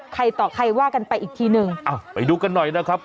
ใครต่อใครว่ากันไปอีกทีหนึ่งอ้าวไปดูกันหน่อยนะครับ